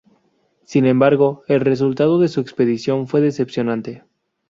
Sin embargo, el resultado de su expedición fue decepcionante.